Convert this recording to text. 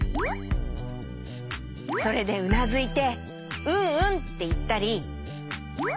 それでうなずいて「うんうん」っていったり。